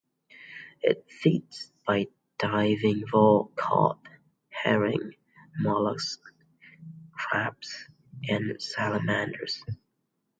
It feeds by diving for carp, herring, mollusks, crabs, and salamanders.